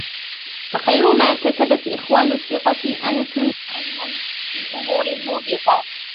فخير ما كسبت إخوان الثقة أنس وعون في الأمور الموبقة